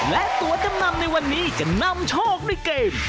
และตัวจำนำในวันนี้จะนำโชคด้วยเกม